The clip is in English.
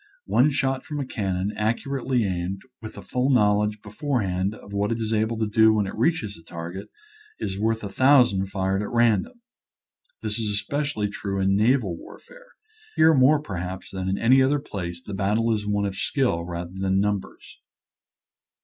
One shot from a cannon ac curately aimed, with a full knowledge before hand of what it is able to do when it reaches the target, is worth a thousand fired at ran dom. This is especially true in naval warfare. Here more perhaps than in any other place the battle is one of skill rather than num bers.